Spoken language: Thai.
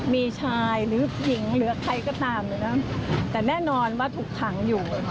มีชายหรือผู้หญิงเหลือใครก็ตามแต่แน่นอนว่าถูกถังอยู่